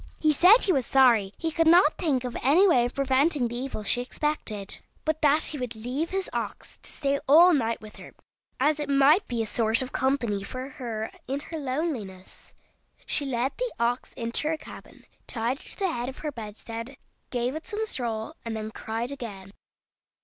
He said he was sorry he could not think of any way of preventing the evil she expected, but that he would leave his ox to stay all night with her, as it might be a sort of company for her in her loneliness. She led the ox into her cabin, tied it to the head of her bedstead, gave it some straw, and then cried again.